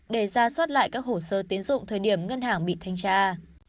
để ra soát lại các hồ sơ tiến dụng thời điểm ngân hàng bị thanh tra